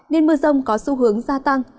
nên mưa rông có xu hướng gia tăng